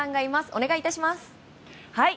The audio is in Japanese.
お願いいたします。